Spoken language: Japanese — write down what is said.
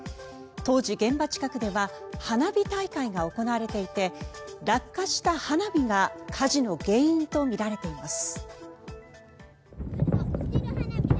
当時、現場近くでは花火大会が行われていて落下した花火が火事の原因とみられています。